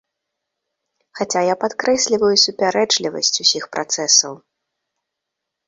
Хаця я падкрэсліваю супярэчлівасць усіх працэсаў.